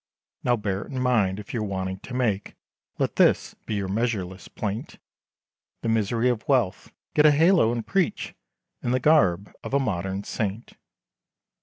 "Now bear it in mind, if you're wanting to make, Let this, be your measureless plaint, The misery of wealth, get a halo, and preach, In the garb, of a modern Saint."